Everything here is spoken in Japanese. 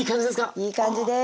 いい感じです。